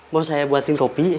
mau saya buatin kopi